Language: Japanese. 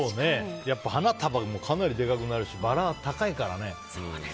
やっぱ花束よりもかなりでかくなるしバラは高いからね。